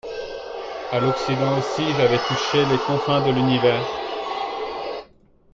À l'occident aussi, j'avais touché les confins de l'univers